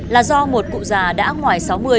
là do một cụ già đã ngoài sáu mươi